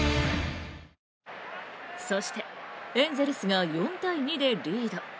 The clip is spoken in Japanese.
そして、エンゼルスが４対２でリード。